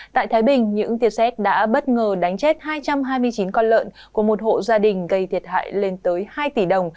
tại thái bình những tiêu xét đã bất ngờ đánh chết hai trăm hai mươi chín con lợn của một hộ gia đình gây thiệt hại lên tới hai tỷ đồng